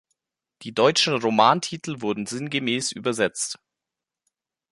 Die deutschen Romantitel wurden sinngemäß übersetzt.